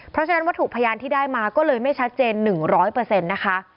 เพราะฉะนั้นวัตถุพยานที่ได้มาก็เลยไม่ชัดเจน๑๐๐นะคะ